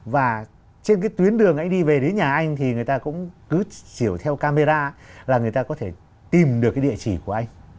và trên cái tuyến đường anh đi về đến nhà anh thì người ta cũng cứ chiều theo camera là người ta có thể tìm được cái địa chỉ của anh